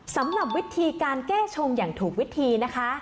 สำหรับวิธีการแก้ชงอย่างถูกวิธีนะคะ